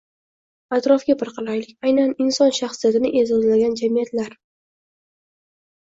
Atrofga bir qaraylik – aynan inson shaxsiyatini e’zozlagan jamiyatlar